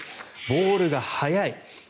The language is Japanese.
ボールが速い。